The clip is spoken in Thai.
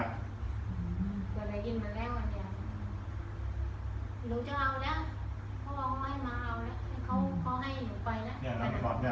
อืมเดี๋ยวได้ยินมาแล้วอันเดียวหรือจะเอาแล้วเขาเอาไม่มาเอาแล้วเขาเขาให้หนูไปแล้ว